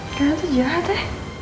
kalian tuh jahat ya